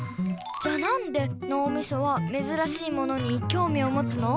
じゃあなんでのうみそはめずらしいものにきょうみをもつの？